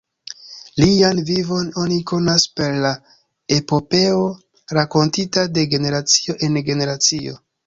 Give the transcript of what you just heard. Lian vivon oni konas per la epopeo rakontita de generacio en generacio.